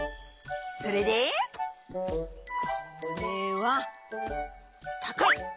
それでこれはたかい！